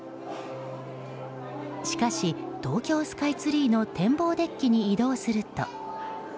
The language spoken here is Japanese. しかし、東京スカイツリーの天望デッキに移動すると。